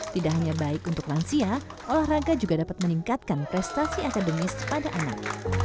tidak hanya baik untuk lansia olahraga juga dapat meningkatkan prestasi akademis pada anak